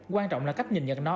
quan trọng là cách nhìn nhận nó